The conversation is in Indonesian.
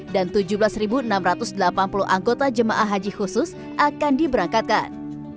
dan tujuh belas enam ratus delapan puluh anggota jemaah haji khusus akan diberangkatkan